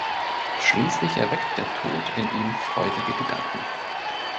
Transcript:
Schließlich erweckt der Tod in ihm freudige Gedanken.